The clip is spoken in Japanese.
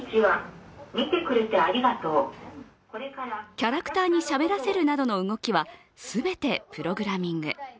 キャラクターにしゃべらせるなどの動きは全てプログラミング。